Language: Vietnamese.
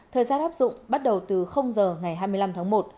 thời gian áp dụng bắt đầu từ giờ ngày hai mươi năm tháng một